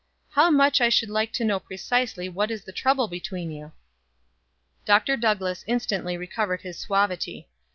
"How much I should like to know precisely what is the trouble between you!" Dr. Douglass instantly recovered his suavity.